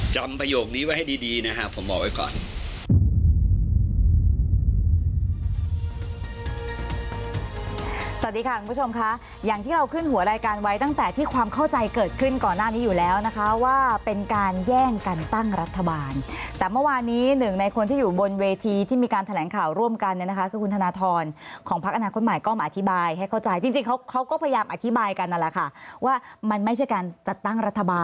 ประโยคนี้ไว้ให้ดีนะครับผมบอกไว้ก่อน